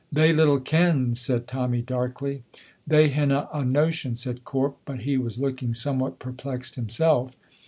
"They little ken!" said Tommy, darkly. "They hinna a notion," said Corp, but he was looking somewhat perplexed himself.